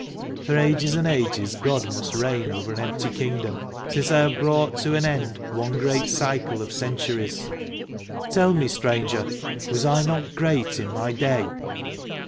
For ages and ages God must reign over an empty kingdom, since I have brought to an end one great cycle of centuries. Tell me, Stranger, was I not great in my day?